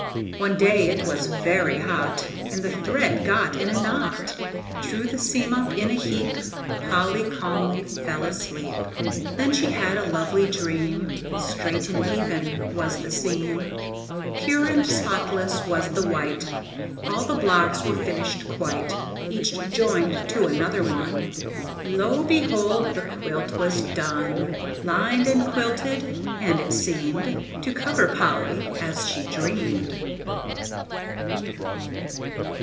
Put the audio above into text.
One day it was very hot, And the thread got in a knot, Drew the seam up in a heap Polly calmly fell asleep. Then she had a lovely dream; Straight and even was the seam, Pure and spotless was the white; All the blocks were finished quite Each joined to another one. Lo, behold! the quilt was done, Lined and quilted, and it seemed To cover Polly as she dreamed!